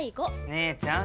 姉ちゃん！